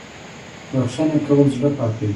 بخښنه کول زړه پاکوي